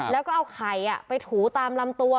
แล้วก็เอาไข่ไปถูตามลำตัว